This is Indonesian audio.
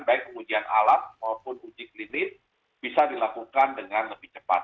baik pengujian alat maupun uji klinis bisa dilakukan dengan lebih cepat